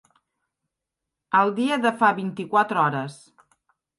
El dia de fa vint-i-quatre hores.